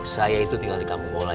saya itu tinggal di kampung bola